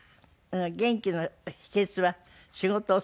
元気の秘訣は仕事をする事？